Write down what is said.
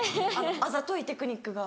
あざといテクニックが。